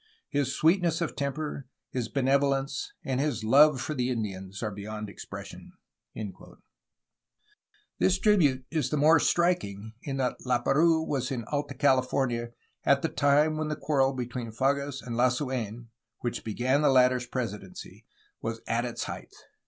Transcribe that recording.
His sweetness of temper, his benev olence, and his love for the Indians are beyond expression." FERMiN FRANCISCO DE LASUfiN 379 This tribute is the more striking in that Lap^rouse was in Alta California at the time when the quarrel between Fages and Lasuen which began the latter' s presidency was at its height.